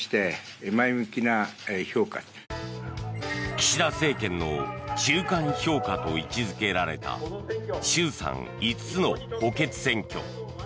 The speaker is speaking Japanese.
岸田政権の中間評価と位置付けられた衆参５つの補欠選挙。